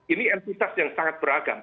ini entitas yang sangat beragam